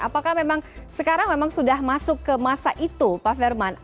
apakah memang sekarang memang sudah masuk ke masa itu pak firman